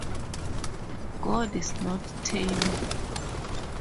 God is not tame.